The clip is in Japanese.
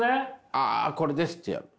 あこれですってやる。